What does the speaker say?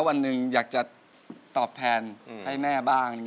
วันหนึ่งอยากจะตอบแทนให้แม่บ้าง